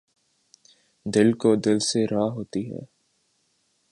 دِل کو دِل سے راہ ہوتی ہے